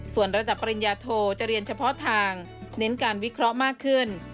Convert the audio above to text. ส่วนระดับปริญญาโทจะเรียนเฉพาะทางเน้นการวิเคราะห์มากขึ้น